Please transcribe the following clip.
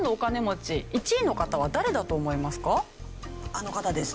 あの方です。